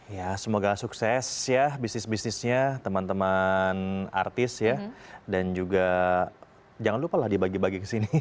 ya semoga sukses ya bisnis bisnisnya teman teman artis ya dan juga jangan lupa lah dibagi bagi ke sini